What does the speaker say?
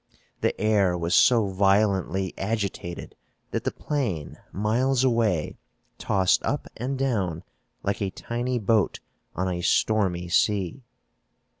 The air was so violently agitated that the plane, miles away, tossed up and down like a tiny boat on a stormy sea.